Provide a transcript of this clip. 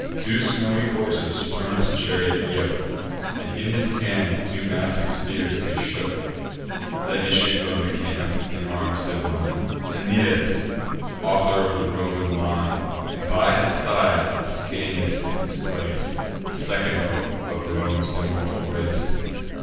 Two snowy coursers Turnus' chariot yoke, And in his hand two massy spears he shook: Then issued from the camp, in arms divine, Aeneas, author of the Roman line; And by his side Ascanius took his place, The second hope of Rome's immortal race.